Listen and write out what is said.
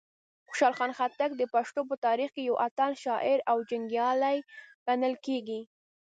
خوشحال خټک د پښتنو په تاریخ کې یو اتل شاعر او جنګیالی ګڼل کیږي.